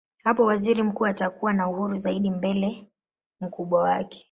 Hapo waziri mkuu atakuwa na uhuru zaidi mbele mkubwa wake.